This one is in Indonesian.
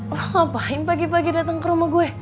lo ngapain pagi pagi dateng ke rumah gue